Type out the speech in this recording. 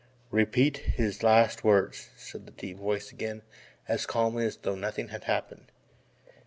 "Repeat his exact words," said the deep voice again as calmly as though nothing had happened.